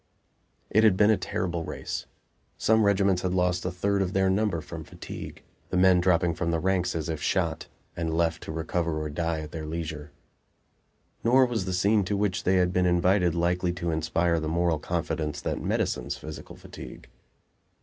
It had been a terrible race; some regiments had lost a third of their number from fatigue, the men dropping from the ranks as if shot, and left to recover or die at their leisure. Nor was the scene to which they had been invited likely to inspire the moral confidence that medicines physical fatigue.